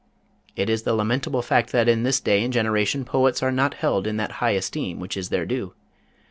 It is the lamentable fact that in this day and generation poets are not held in that high esteem which is their due.